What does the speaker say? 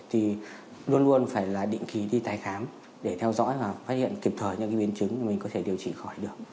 thì luôn luôn phải là định ký đi tái khám để theo dõi và phát hiện kịp thời những biến chứng mà mình có thể điều trị khỏi được